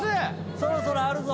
そろそろあるぞ。